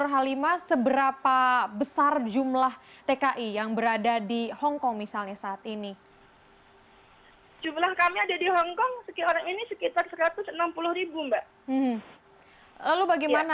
kesejahteraan kami terlebih